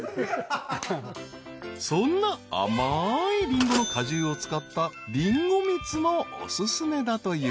［そんな甘いリンゴの果汁を使ったりんご蜜もお薦めだという］